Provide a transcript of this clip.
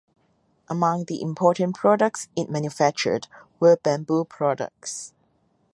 Among the important products it manufactured were bamboo products.